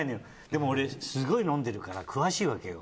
でも俺、すごい飲んでるから詳しいわけよ。